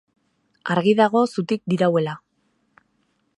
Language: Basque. Argi dago zutik dirauela.